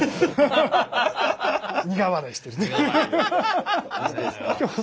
苦笑いしているという。